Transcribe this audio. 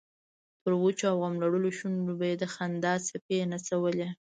پر وچو او غم لړلو شونډو به یې د خندا څپې نڅولې.